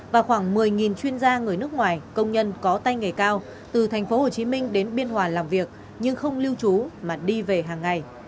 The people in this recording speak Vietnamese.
và khoảng một mươi chuyên gia người nước ngoài công nhân có tay nghề cao từ thành phố hồ chí minh đến biên hòa làm việc nhưng không lưu trú mà đi về hàng ngày